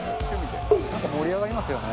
盛り上がりますよね。